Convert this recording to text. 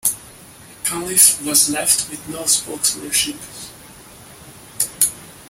Cunliffe was left with no spokesmanships.